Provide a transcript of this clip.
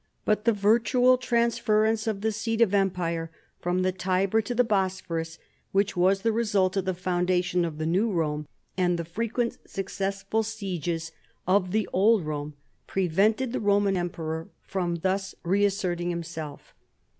I'ut the INTRODUCTION. . 5 virtual transference of the seat of empire from the Tiber to the Bospliorus, which was the result of the foundation of tlie new Rome,* aiul the frequent successful sieges of the old Rome, prevented the Roman emperor from thus reasserting himself.